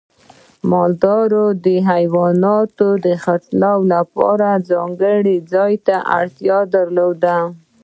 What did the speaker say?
مالدار د حیواناتو د خرڅلاو لپاره ځانګړي ځای ته اړتیا درلوده.